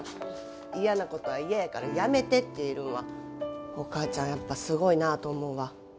嫌なことは嫌やからやめてって言えるんはお母ちゃんやっぱすごいなと思うわ。